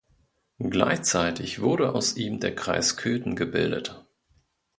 Gleichzeitig wurde aus ihm der "Kreis Köthen" gebildet.